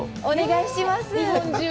お願いします！